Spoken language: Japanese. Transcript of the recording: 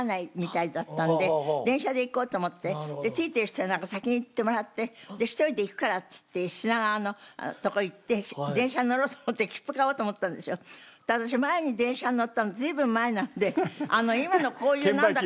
ついてる人先に行ってもらって１人で行くからっつって品川のとこ行って電車に乗ろうと思って私前に電車に乗ったの随分前なんで今のこういうなんだか。